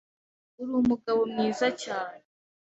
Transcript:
Uri umugabo mwiza cyane, .